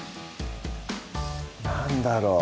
何だろう